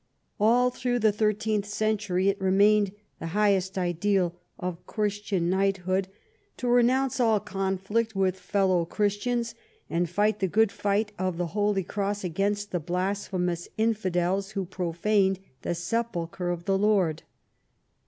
All through the thirteenth century it remained the highest ideal of Christian knighthood to renounce all conflict with fellow Christians and fight the good fight of the Holy Cross against the blasphemous infidels who profaned the sepulchre of the Lord.